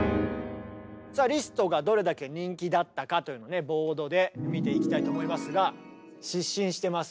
さあリストがどれだけ人気だったかというのをボードで見ていきたいと思いますが。